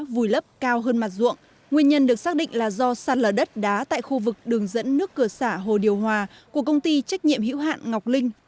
vùi lấp cao hơn mặt ruộng nguyên nhân được xác định là do sạt lở đất đá tại khu vực đường dẫn nước cửa xã hồ điều hòa của công ty trách nhiệm hữu hạn ngọc linh